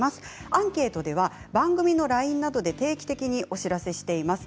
アンケートでは番組のＬＩＮＥなどで定期的にお知らせしています。